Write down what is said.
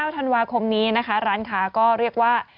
ธันวาคมนี้นะคะร้านค้าก็เรียกว่า